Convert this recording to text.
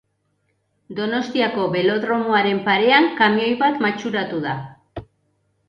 Donostiako belodromoaren parean kamioi bat matxuratu da.